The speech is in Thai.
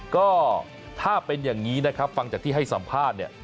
ก็ถ้าเป็นอย่างนี้นะครับฟังจากที่ให้สัมภาษณ์เนี่ย